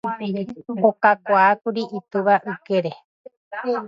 okakuaákuri itúva ykére